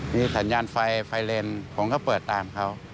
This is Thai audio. มีสัญญาณไฟไฟเลนผมก็เปิดตามเขา